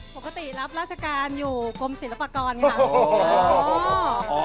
ปกติรับราชการอยู่กรมศิลปากรค่ะ